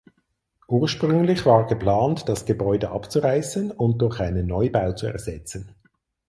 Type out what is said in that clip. Ursprünglich war geplant das Gebäude abzureißen und durch einen Neubau zu ersetzen.